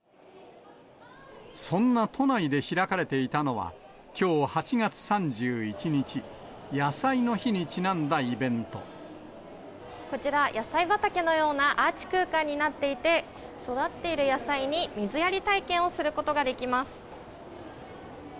そんな都内で開かれていたのは、きょう８月３１日、こちら、野菜畑のようなアーチ空間になっていて、育っている野菜に水やり体験をすることができます。